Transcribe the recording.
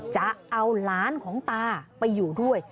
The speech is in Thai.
จะเอาหลานของตาไปอยู่ด้วย